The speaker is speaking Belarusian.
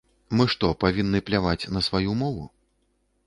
Мы што, павінны пляваць на сваю мову?